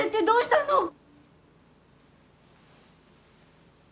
どうしたの！？